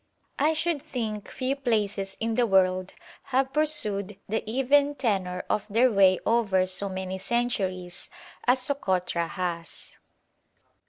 I should think few places in the world have pursued the even tenor of their way over so many centuries as Sokotra has.